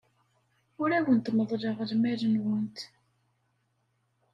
Ur awent-meḍḍleɣ lmal-nwent.